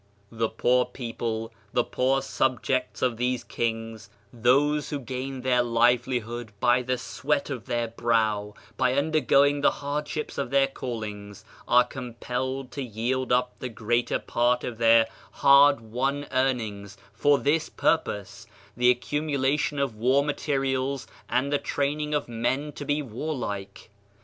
The poor people, the poor subjects of these kings, those who gain their livelihood by the sweat of 70 Digitized by Google OF CIVILIZATION their brow, by undergoing the hardships of their callings, are compelled to yield up the greater part of their hard won earnings for this purpose, the accumulation of war materials and the training of men to be warlike.